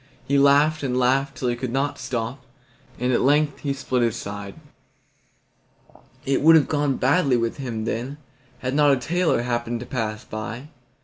He laughed and laughed till he could not stop, and at length he split his side. It would have gone badly with him then, had not a tailor happened to pass by.